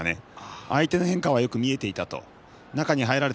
相手の変化はよく見えていた。